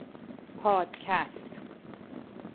پادکست